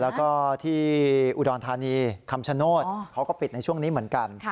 และที่อุดรทานีค่ำชโนชก็ปิดในช่วงนี้เหมือนกัน